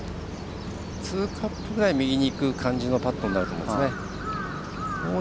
２カップぐらい右にいく感じのパットになると思います。